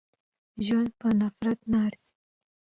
ژوند په نفرت نه ارزي.